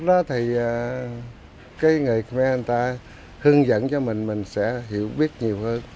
lúc đó thì người khmer anh ta hướng dẫn cho mình mình sẽ hiểu biết nhiều hơn